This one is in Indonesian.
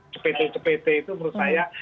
cepet cepet itu menurut saya